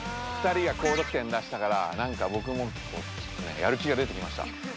２人が高得点出したからなんかぼくもやる気が出てきました。